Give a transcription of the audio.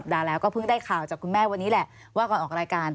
ได้ข่าวจากคุณแม่วันนี้แหละว่าก่อนออกรายการ